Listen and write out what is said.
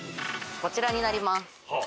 こちらになります。